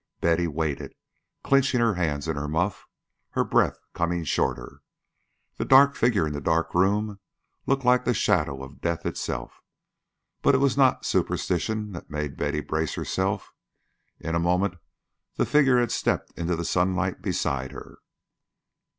Betty waited, clinching her hands in her muff, her breath coming shorter. The dark figure in the dark room looked like the shadow of death itself. But it was not superstition that made Betty brace herself. In a moment the figure had stepped into the sunlight beside her.